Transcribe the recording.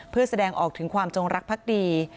เพื่อแสดงออกถึงความจงรักภักดี